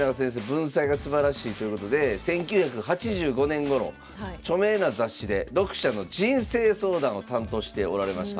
文才がすばらしいということで１９８５年ごろ著名な雑誌で読者の人生相談を担当しておられました。